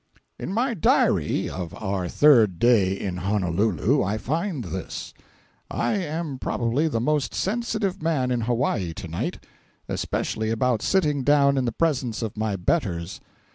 In my diary of our third day in Honolulu, I find this: I am probably the most sensitive man in Hawaii to night—especially about sitting down in the presence of my betters.